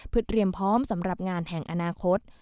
เพื่อเตรียมพร้อมสำหรับงานแห่งอนาคต